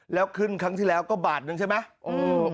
แล้วขึ้นครั้งที่แล้วก็บาทนึงใช่ไหม